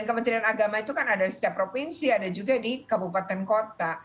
kementerian agama itu kan ada di setiap provinsi ada juga di kabupaten kota